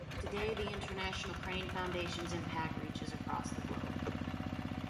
Today, the International Crane Foundation's impact reaches across the globe.